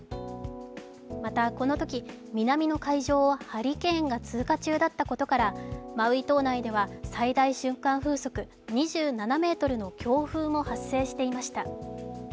また、このとき、南の海上をハリケーンが通過中だったことからマウイ島内では最大瞬間風速２７メートルの強風も発生していました。